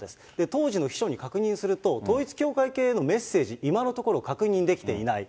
当時の秘書に確認すると、統一教会系へのメッセージ、今のところ、確認できていない。